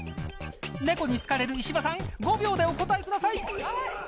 猫に好かれる石破さん５秒でお答えください。